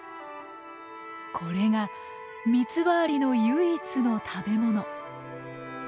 これがミツバアリの唯一の食べ物。